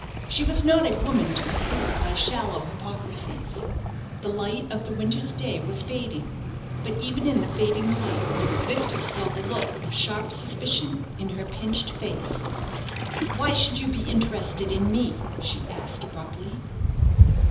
She was not a woman to be fooled by shallow hypocrisies. The light of the winter's day was fading; but even in the fading light Victor saw the look of sharp suspicion in her pinched face. "Why should you be interested in me?" she asked, abruptly.